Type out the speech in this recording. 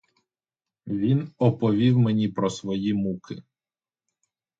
Він оповів мені про свої муки.